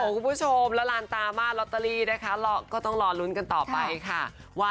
คุณผู้ชมแล้วลานตาม่าลอตเตอรี่นะคะก็ต้องรอลุ้นกันต่อไปค่ะ